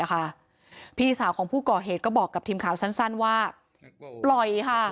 พี่สาวของผู้ก่อเหตุก็บอกกับทีมข่าวสั้นว่าปล่อยค่ะ